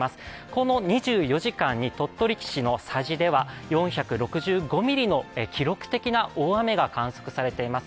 この２４時間に鳥取市の佐治では４６５ミリの記録的な大雨が観測されています。